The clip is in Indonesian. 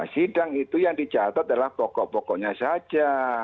sidang itu yang dicatat adalah pokok pokoknya saja